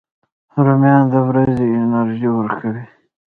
رومیان د ورځې انرژي ورکوي